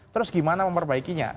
terus gimana memperbaikinya